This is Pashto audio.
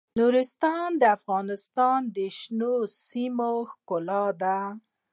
نورستان د افغانستان د شنو سیمو ښکلا ده.